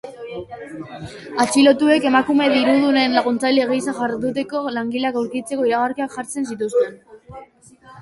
Atxilotuek emakume dirudunen laguntzaile gisa jarduteko langileak aurkitzeko iragarkiak jartzen zituzten.